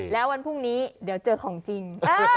แล้ววันพรุ่งนี้เดี๋ยวเจอของจริง